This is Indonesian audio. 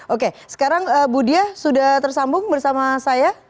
oke sekarang budia sudah tersambung bersama saya